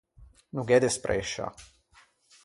No gh’é de sprescia.